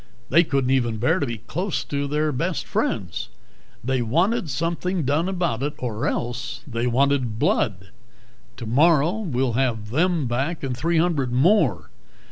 They couldn't even bear to be close to their best friends. They wanted something done about it, or else they wanted blood. Tomorrow we'll have them back and three hundred more.